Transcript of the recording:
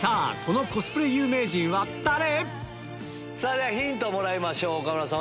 ではヒントもらいましょう岡村さん